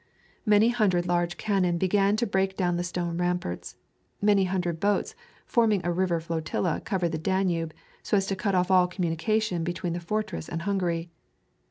Many hundred large cannon began to break down the stone ramparts; many hundred boats forming a river flotilla covered the Danube, so as to cut off all communication between the fortress and Hungary.